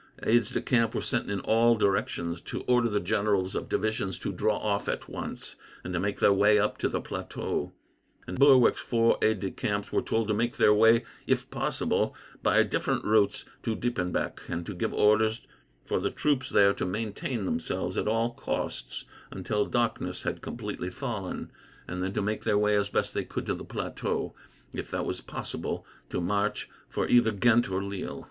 Aides de camp were sent in all directions, to order the generals of divisions to draw off at once, and to make their way up to the plateau; and Berwick's four aides de camp were told to make their way, if possible, by different routes to Diepenbeck, and to give orders for the troops there to maintain themselves, at all costs, until darkness had completely fallen; and then to make their way as best they could to the plateau; if that was impossible, to march for either Ghent or Lille.